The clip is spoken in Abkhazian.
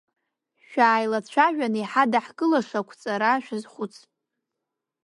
Шәааилацәажәаны иҳадаҳкылаша ақәҵара шәазхәыц.